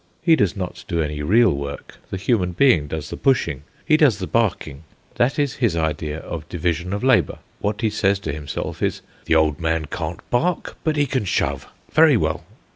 He does not do any real work; the human being does the pushing, he does the barking; that is his idea of division of labour. What he says to himself is: "The old man can't bark, but he can shove. Very well."